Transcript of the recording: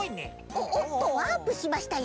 おっおっとワープしましたよ。